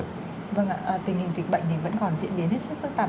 vâng ạ tình hình dịch bệnh thì vẫn còn diễn biến hết sức phức tạp